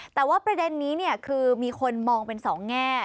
แต่ว่าประเด็นนี้คือมีคนมองเป็นสองแง่